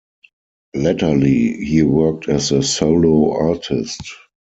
Latterly, he worked as a solo artist.